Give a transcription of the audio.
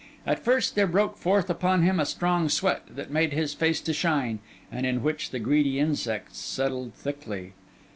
At first, there broke forth upon him a strong sweat, that made his face to shine, and in which the greedy insects settled thickly.